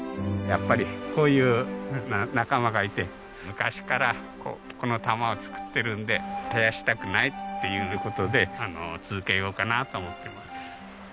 やっぱりこういう仲間がいて昔からこの玉を作ってるんで絶やしたくないっていう事で続けようかなと思ってます。